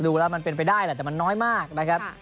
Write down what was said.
ดูแล้วมันเป็นไปได้แหละแต่มันน้อยมากนะครับ